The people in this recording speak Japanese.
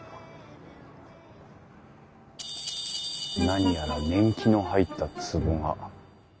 何やら年季の入ったつぼが。